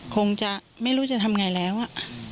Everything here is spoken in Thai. คงจะไม่รู้จะทำไงแล้ว